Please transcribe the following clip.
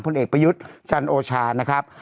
เอกประยุทธ์จันโอชานะครับ